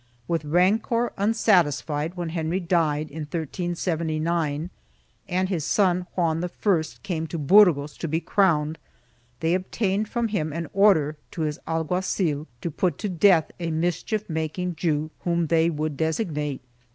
With rancor unsatisfied, when Henry died, in 1379, and his son Juan I came to Burgos to be crowned, they obtained from him an order to his alguazil to put to death a mischief making Jew whom they would designate.